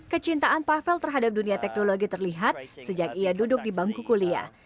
kecintaan pavel terhadap dunia teknologi terlihat sejak ia duduk di bangku kuliah